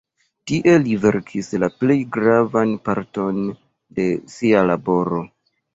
Tie li verkis la plej gravan parton de sia laboro.